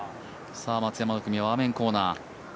松山はアーメンコーナー。